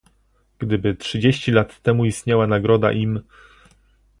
Gdyby trzydzieści lat temu istniała Nagroda im